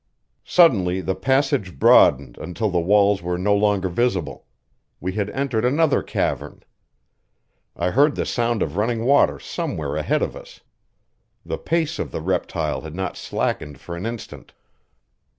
Suddenly the passage broadened until the walls were no longer visible; we had entered another cavern. I heard the sound of running water somewhere ahead of us. The pace of the reptile had not slackened for an instant.